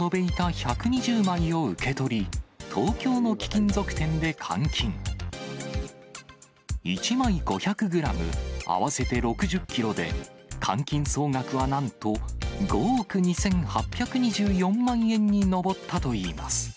１枚５００グラム、合わせて６０キロで、換金総額はなんと５億２８２４万円に上ったといいます。